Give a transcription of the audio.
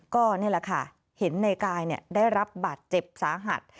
ก็เห็นในกายได้รับบัตรเจ็บสาหัส